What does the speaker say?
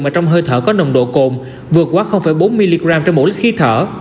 mà trong hơi thở có nồng độ cồn vượt quá bốn mg trên mỗi lít khí thở